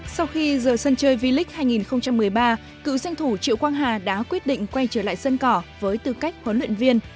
sau khi giờ sân chơi v league hai nghìn một mươi ba cựu danh thủ triệu quang hà đã quyết định quay trở lại sân cỏ với tư cách huấn luyện viên